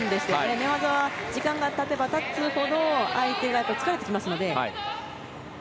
寝技は時間が経てば経つほど相手が疲れてきますので。